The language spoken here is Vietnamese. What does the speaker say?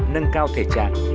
nâng cao thể trạng